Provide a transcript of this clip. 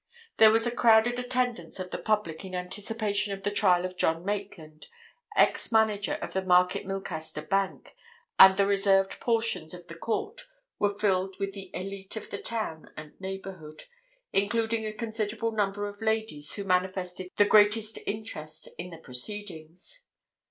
There was a crowded attendance of the public in anticipation of the trial of John Maitland, ex manager of the Market Milcaster Bank, and the reserved portions of the Court were filled with the élite of the town and neighbourhood, including a considerable number of ladies who manifested the greatest interest in the proceedings.